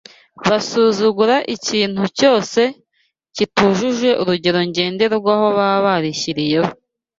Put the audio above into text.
basuzugura ikintu cyose kitujuje urugero ngenderwaho baba barishyiriyeho